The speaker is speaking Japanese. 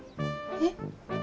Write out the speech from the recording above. えっ？